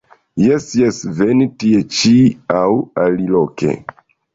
Jes, jes, veni tie-ĉi aŭ aliloke.